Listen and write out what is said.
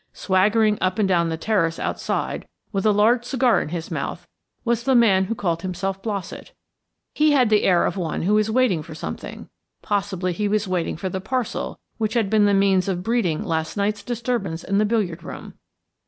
Swaggering up and down the terrace outside, with a large cigar in his mouth, was the man who called himself Blossett. He had the air of one who is waiting for something; possibly he was waiting for the parcel which had been the means of breeding last night's disturbance in the billiard room.